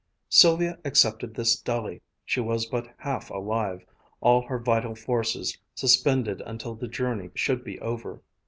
Sylvia accepted this dully. She was but half alive, all her vital forces suspended until the journey should be over.